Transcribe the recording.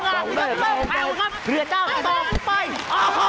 นี่คือช่วงท้ายของเกมนะครับเผื่อเจ้าการมีมะลังทะลูกเข้าไปแล้วครับ